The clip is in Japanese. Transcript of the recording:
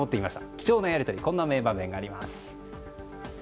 貴重なやり取りこんな名場面があります。